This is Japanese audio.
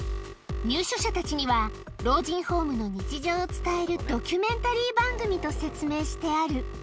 入所者たちには、老人ホームの日常を伝えるドキュメンタリー番組と説明してある。